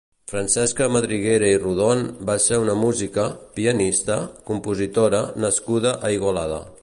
Francesca Madriguera i Rodon va ser una música, pianista, compositora nascuda a Igualada.